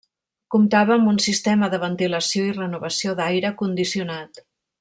Comptava amb un sistema de ventilació i renovació d'aire condicionat.